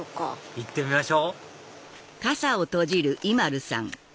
行ってみましょ！